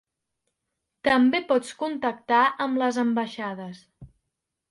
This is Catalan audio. També pots contactar amb les ambaixades.